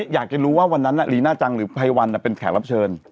อยากจะรู้ว่าวันนั้นลีน่าจังหรือภัยวันเป็นแขกรับเชิญ